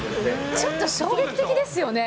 ちょっと衝撃的ですよね。